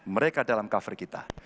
mereka dalam cover kita